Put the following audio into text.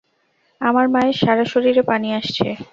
আমার মায়ের সারা শরীরে পানি আসছে।